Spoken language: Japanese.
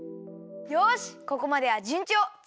よしここまではじゅんちょう！